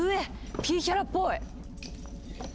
ピーヒャラっぽい！